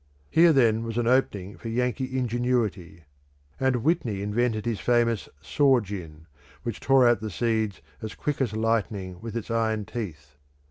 Here, then, was an opening for Yankee ingenuity; and Whitney invented his famous saw gin, which tore out the seeds as quick as lightning with its iron teeth.